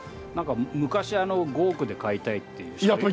なんか昔あの５億で買いたいっていう人が。